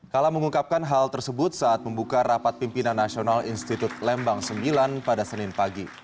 kala mengungkapkan hal tersebut saat membuka rapat pimpinan nasional institut lembang sembilan pada senin pagi